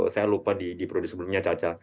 saya lupa di periode sebelumnya caca